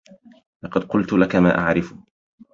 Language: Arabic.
لقد قُلتُ لكَ ما أعرف.